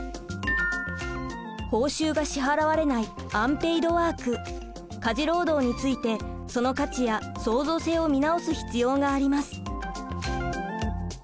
報酬が支払われないアンペイドワーク家事労働についてその価値や創造性を見直す必要があります。